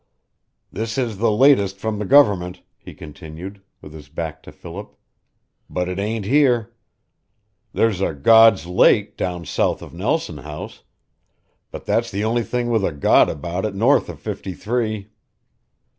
"This is the latest from the government," he continued, with his back to Philip, "but it ain't here. There's a God's Lake down south of Nelson House, but that's the only thing with a God about it north of fifty three."